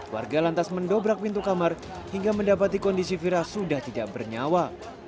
warga lantas mendobrak pintu kamar hingga mendapati kondisi vira sudah tidak bernyawa